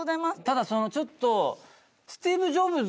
ただそのちょっと。